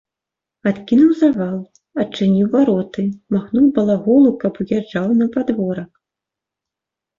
Адкінуў завал, адчыніў вароты, махнуў балаголу, каб уз'язджаў на падворак.